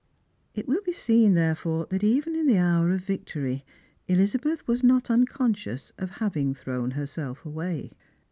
" It will be seen therefore that even in the hour of victory Eliza beth was not unconscious of having thrown herself away.